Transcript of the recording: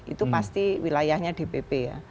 itu pasti wilayahnya di bp ya